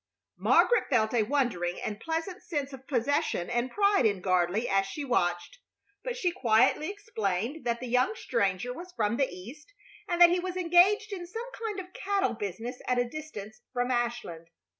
Margaret felt a wondering and pleasant sense of possession and pride in Gardley as she watched, but she quietly explained that the young stranger was from the East, and that he was engaged in some kind of cattle business at a distance from Ashland.